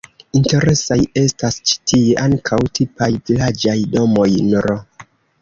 Interesaj estas ĉi tie ankaŭ tipaj vilaĝaj domoj nr.